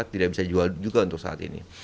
tidak bisa dijual juga untuk saat ini